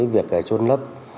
việc trôn lớp